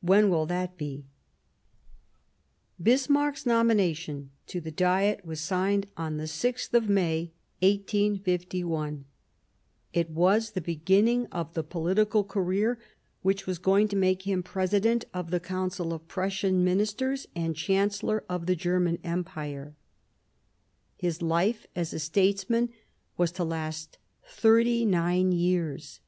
When will that be ?" Bismarck's nomination to the Diet was signed on the 6th of May, 1851 ; it was the beginning of the political career which was going to make him President of the Council of Prussian Ministers and Chancellor of the German Empire. 34 Years of Preparation His life as a statesman was to last thirty nine years.